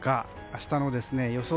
明日の予想